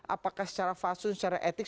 apakah secara fasun secara etik